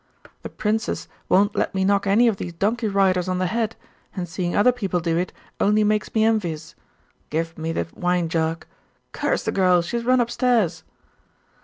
'The princes won't let me knock any of these donkey riders on the head, and seeing other people do it only makes me envious. Give me the wine jug curse the girl! she has run upstairs!